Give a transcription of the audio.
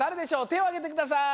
てをあげてください。